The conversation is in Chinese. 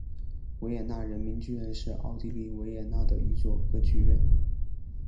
维也纳人民剧院是奥地利维也纳的一座歌剧院。